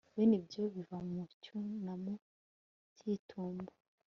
Bene ibyo biva mu cyunamo cyitumba